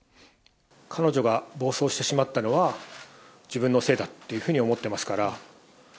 彼女が暴走してしまったのは、自分のせいだっていうふうに思っていますから。